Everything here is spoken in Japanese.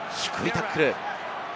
低いタックル。